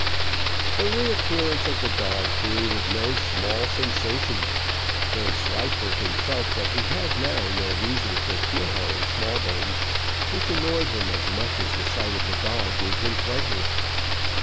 The re appearance of the dog created no small sensation Vanslyperken felt that he had now no reason for keel hauling Smallbones, which annoyed him as much as the sight of the dog gave him pleasure.